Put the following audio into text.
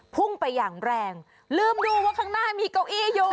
พุ่งไปอย่างแรงลืมดูว่าข้างหน้ามีเก้าอี้อยู่